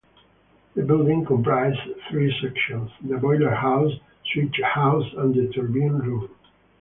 The building comprises three sections, the boiler house, switch house and the turbine room.